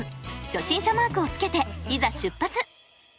初心者マークをつけていざ出発！